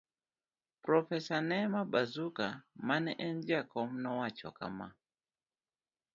Profesa Nema Bazuka ma ne en jakom nowacho kama